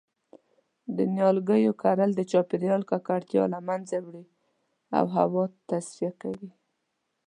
د نیالګیو کرل د چاپیریال ککړتیا له منځه وړی او هوا تصفیه کوی